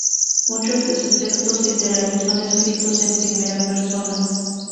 Muchos de sus textos literarios son escritos en primera persona.